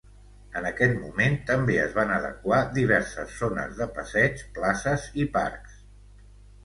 En aquest moment també es van adequar diverses zones de passeig, places i parcs.